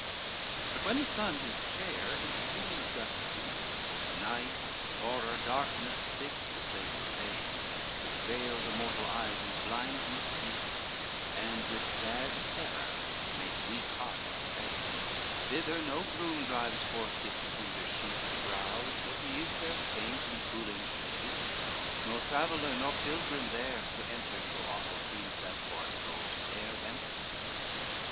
III But when the sun his chair in seas doth steep, Night, horror, darkness thick the place invade, Which veil the mortal eyes with blindness deep And with sad terror make weak hearts afraid, Thither no groom drives forth his tender sheep To browse, or ease their faint in cooling shade, Nor traveller nor pilgrim there to enter, So awful seems that forest old, dare venture.